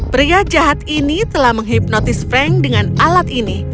pria jahat ini telah menghipnotis frank dengan alat ini